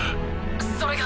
それが。